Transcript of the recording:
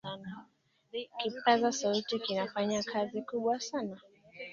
kipaza sauti kinafanya kazi kubwa sana